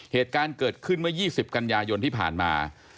เหตุการณ์เกิดขึ้นเมื่อ๒๐กันยายนที่ผ่านมา